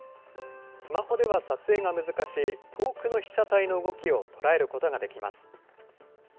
スマホでは撮影が難しい、遠くの被写体の動きを捉えることができます。